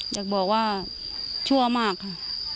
อยากบอกว่าชั่วมากค่ะ